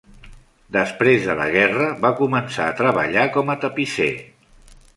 Després de la guerra, va començar a treballar com a tapisser.